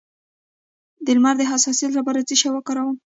د لمر د حساسیت لپاره باید څه شی وکاروم؟